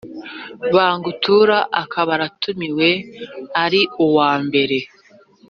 Bagutura akaba aratumiwe ari uwa mbere